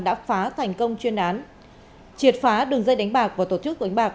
đã phá thành công chuyên án triệt phá đường dây đánh bạc và tổ chức đánh bạc